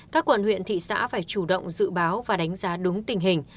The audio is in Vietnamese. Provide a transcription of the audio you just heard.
các quận huyện thị xã phải chủ động dự báo và đánh giá đúng tình hình